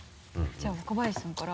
じゃあ若林さんから。